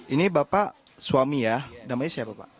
ini bapak suami ya namanya siapa pak